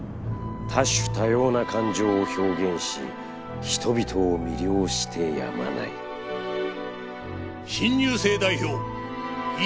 多種多様な感情を表現し人々を魅了してやまない「新入生代表泉花子」。